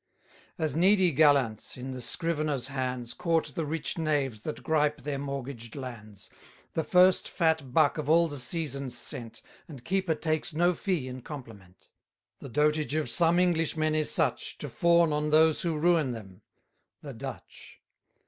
As needy gallants, in the scrivener's hands, Court the rich knaves that gripe their mortgaged lands; The first fat buck of all the season's sent, And keeper takes no fee in compliment; The dotage of some Englishmen is such, To fawn on those who ruin them the Dutch.